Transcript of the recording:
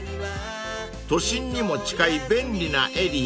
［都心にも近い便利なエリア］